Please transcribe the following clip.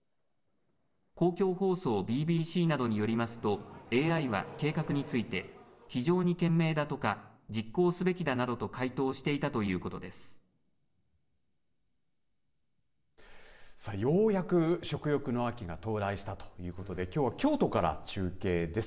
公共放送ＢＢＣなどによりますとＡＩは計画について非常に賢明だとか実行すべきだなどとさあ、ようやく食欲の秋が到来したということできょうは京都から中継です。